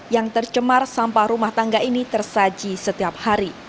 yang tercemar sampah rumah tangga ini tersaji setiap hari